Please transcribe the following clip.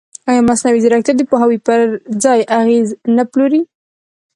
ایا مصنوعي ځیرکتیا د پوهاوي پر ځای اغېز نه پلوري؟